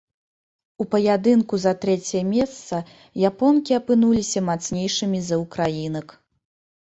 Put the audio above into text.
У паядынку за трэцяе месца японкі апынуліся мацнейшымі за ўкраінак.